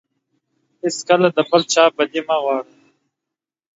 هیڅکله د بل چا بدي مه غواړه.